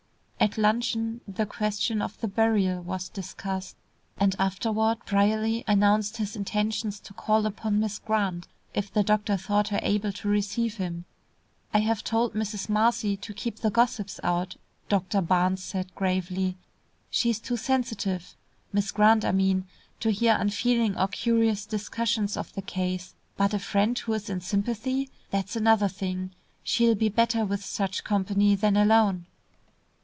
At luncheon the question of the burial was discussed, and afterward Brierly announced his intentions to call upon Miss Grant, if the doctor thought her able to receive him. "I have told Mrs. Marcy to keep the gossips out," Doctor Barnes said gravely, "she's too sensitive, Miss Grant I mean, to hear unfeeling or curious discussions of the case. But a friend who is in sympathy that's another thing. She'll be better with such company than alone."